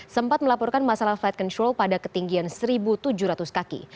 sempat melaporkan masalah flight control pada ketinggian satu tujuh ratus kaki